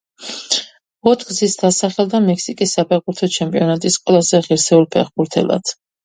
ოთხგზის დასახელდა მექსიკის საფეხბურთო ჩემპიონატის ყველაზე ღირებულ ფეხბურთელად.